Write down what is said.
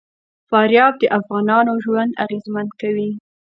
فاریاب د افغانانو ژوند اغېزمن کوي.